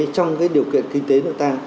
trong cái điều kiện kinh tế nước ta